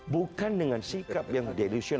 bukan dengan sikap yang dedicial